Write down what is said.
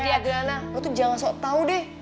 hei adriana lo tuh jangan sok tau deh